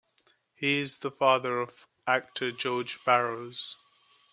He is the father of actor George Barrows.